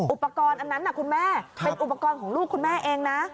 อุปกรณ์อันนั้นคุณแม่เป็นอุปกรณ์ของลูกคุณแม่เองนะ